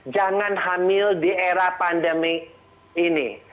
jangan hamil di era pandemi ini